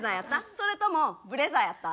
それともブレザーやった？